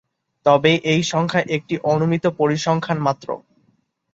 তবে এই সংখ্যা একটি অনুমিত পরিসংখ্যান মাত্র।